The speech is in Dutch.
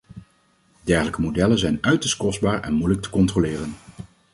Dergelijke modellen zijn uiterst kostbaar en moeilijk te controleren.